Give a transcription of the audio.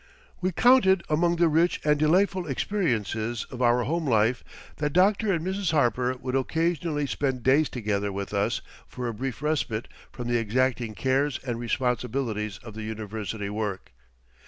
We count it among the rich and delightful experiences of our home life that Dr. and Mrs. Harper could occasionally spend days together with us for a brief respite from the exacting cares and responsibilities of the university work.